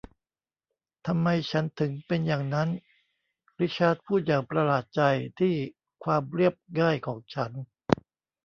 ทำไมฉันถึงเป็นอย่างนั้นริชาร์ดพูดอย่างประหลาดใจที่ความเรียบง่ายของฉัน